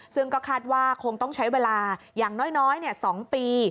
ซึ่งก็คาดว่าคงต้องใช้เวลาอย่างน้อย๒ปี